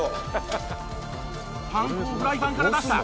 パン粉をフライパンから出した